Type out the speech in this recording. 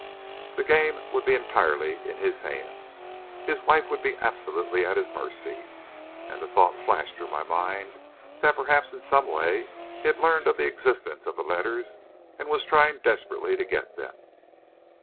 the game would be entirely in his hands. His wife would be absolutely at his mercy. And the thought flashed through my mind that perhaps in some way he had learned of the existence of the letters, and was trying desperately to get them.